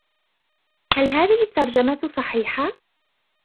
هل هذه الترجمة صحيحة ؟